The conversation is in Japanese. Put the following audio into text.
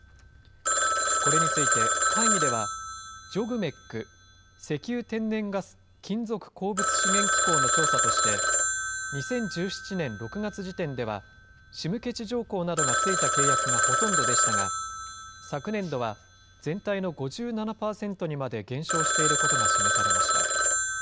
これについて会議では、ＪＯＧＭＥＣ・石油天然ガス・金属鉱物資源機構の調査として、２０１７年６月時点では仕向地条項などがついた契約がほとんどでしたが、昨年度は全体の５７％にまで減少していることが示されました。